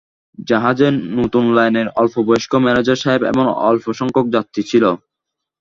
জাহাজে নূতন লাইনের অল্পবয়স্ক ম্যানেজার সাহেব এবং অল্পসংখ্যক যাত্রী ছিল।